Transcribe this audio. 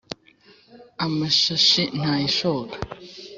Amashashi ntayishoka